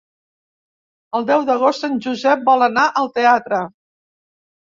El deu d'agost en Josep vol anar al teatre.